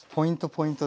ポイント